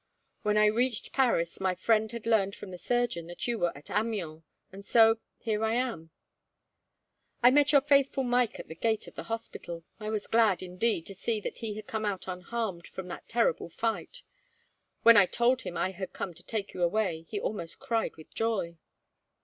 When I reached Paris my friend had learned from the surgeon that you were at Amiens, and so, here I am. "I met your faithful Mike at the gate of the hospital. I was glad, indeed, to see that he had come out unharmed from that terrible fight. When I told him I had come to take you away, he almost cried with joy."